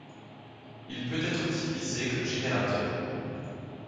Il peut être utilisé comme générateur.